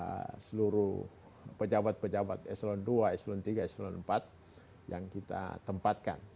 dan seluruh pejabat pejabat eselon dua eselon tiga eselon empat yang kita tempatkan